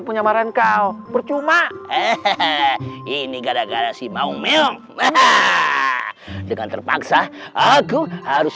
punya marah kau percuma hahaha ini karena gasi mau memainkan dengan terpaksa aku harus